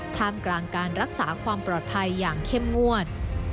ท่ามกลางการรักษาความปลอดภัยอย่างเข้มงวด